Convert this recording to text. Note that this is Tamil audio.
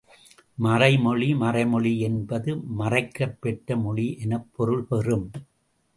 மறைமொழி மறைமொழி என்பது மறைக்கப்பெற்ற மொழி எனப் பொருள் பெறும்.